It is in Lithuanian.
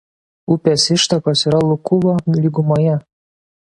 Upės ištakos yra Lukuvo lygumoje.